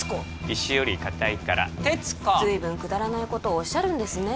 石よりカタいから鉄子随分くだらないことおっしゃるんですね